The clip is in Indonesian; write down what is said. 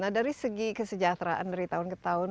nah dari segi kesejahteraan dari tahun ke tahun